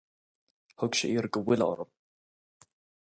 Thug sé iarraidh de bhuille orm.